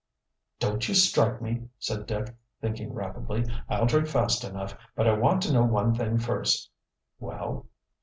"Don't you strike me," said Dick, thinking rapidly. "I'll drink fast enough. But I want to know one thing first." "Well?"